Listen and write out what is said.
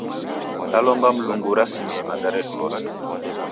Dalomba Mlungu urasimie maza redu rose.